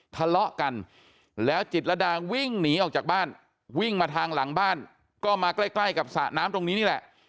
ทะเลาะกันแล้วจิตรดาวิ่งหนีออกจากบ้านวิ่งมาทางหลังบ้านก็มาใกล้ใกล้กับสระน้ำตรงนี้นี่แหละ